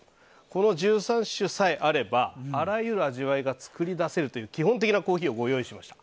この１３種さえあればあらゆる味わいが作り出せるという基本的なコーヒーをご用意いたしました。